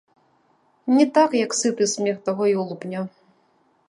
Не так, як сыты смех таго ёлупня.